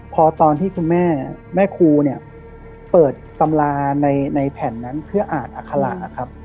พอตอนที่คุณแม่แม่ครูเนี่ยเปิดตำราในแผ่นนั้นเพื่ออ่านอัคระครับ